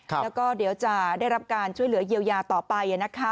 แล้วก็เดี๋ยวจะได้รับการช่วยเหลือเยียวยาต่อไป